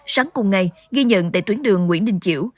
sáng cùng ngày ghi nhận tại tuyến đường nguyễn đình chiểu